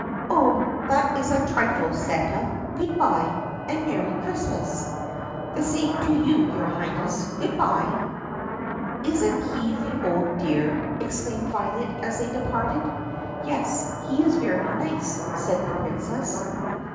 "Oh, that is a trifle, Santa. Good by ! And a merry Christ mas!" "The same to you, your Highness. Good by!" "Is n't he the old dear!" exclaimed Violet as they departed. "Yes, he is very nice," said the Princess.